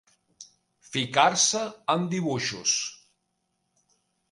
Ficar-se en dibuixos.